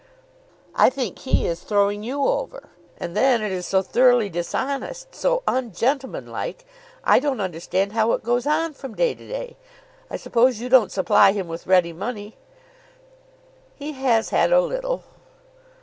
"I think he is throwing you over. And then it is so thoroughly dishonest, so ungentlemanlike! I don't understand how it goes on from day to day. I suppose you don't supply him with ready money." "He has had a little."